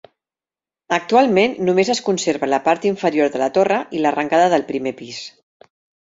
Actualment només es conserva la part inferior de la torre i l'arrencada del primer pis.